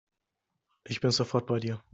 Ich bin sofort bei dir.